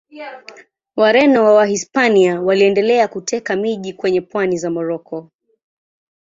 Wareno wa Wahispania waliendelea kuteka miji kwenye pwani za Moroko.